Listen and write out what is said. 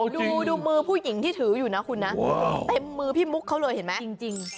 ดูมือผู้หญิงที่ถืออยู่นะคุณนะเต็มมือพี่มุกเขาเลยเห็นไหมจริง